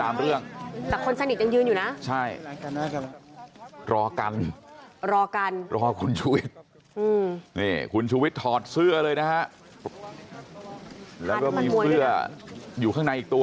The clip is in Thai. เครื่องคอที่โดนบี่หรือเปล่าเลยปบนในไท